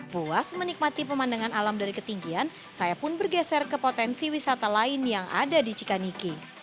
puas menikmati pemandangan alam dari ketinggian saya pun bergeser ke potensi wisata lain yang ada di cikaniki